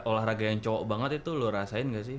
olahraga yang cowok banget itu lu rasain gak sih